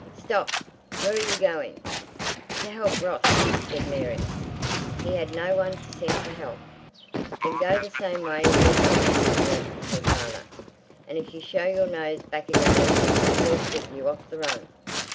"Stop! Where are you going?" "To help Ross," said Mary. "He had no one to send for help." "Then go the same way as your brother!" roared her father; "and if you show your nose back again I'll horse whip you off the run!"